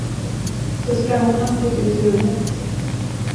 Så sprang hon hastigt ut ur rummet.